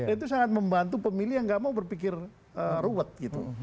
itu sangat membantu pemilih yang nggak mau berpikir ruwet gitu